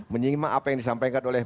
menyimak apa yang disampaikan oleh